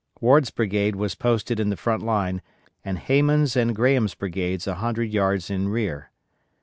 Ward's brigade was posted in the front line and Hayman's and Graham's brigades a hundred yards in rear.